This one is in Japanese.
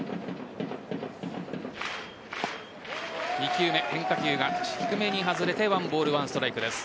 ２球目、変化球が低めに外れて１ボール１ストライクです。